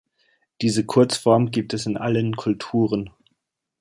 Diese Kurzform gibt es in allen Kulturen.